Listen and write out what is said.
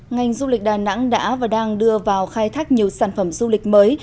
ngành du lịch đà nẵng đã và đang đưa vào khai thác nhiều sản phẩm du lịch mới